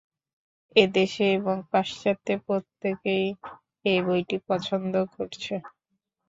এদেশে এবং পাশ্চাত্যে প্রত্যেকেই এই বইটি পছন্দ করছে।